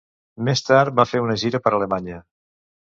Més tard va fer una gira per Alemanya.